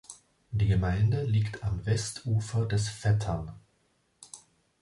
Die Gemeinde liegt am Westufer des Vättern.